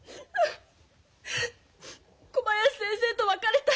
小林先生と別れた。